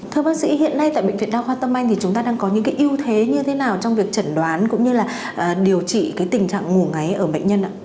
thưa bác sĩ hiện nay tại bệnh viện đa khoa tâm anh thì chúng ta đang có những cái ưu thế như thế nào trong việc chẩn đoán cũng như là điều trị cái tình trạng ngủ ngáy ở bệnh nhân ạ